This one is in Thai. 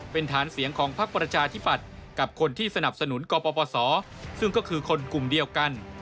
เป็นฐานเสียงของพักประชาธิปัตย์กับคนที่สนับสนุนกปศซึ่งก็คือคนกลุ่มเดียวกัน